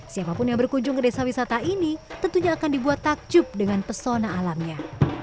siapapun yang berkunjung ke desa wisata ini tentunya akan dibuat takjub dengan pesona alamnya